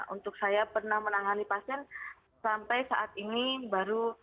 untuk saya pernah menangani pasien sampai saat ini baru